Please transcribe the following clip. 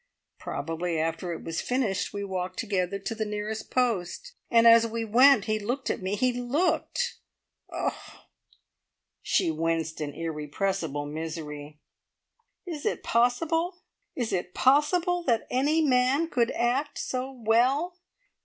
Probably, after it was finished, we walked together to the nearest post, and as we went he looked at me he looked. Oh!" she winced in irrepressible misery "is it possible is it possible that any man could act so well?